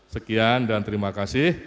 sekian dan terima kasih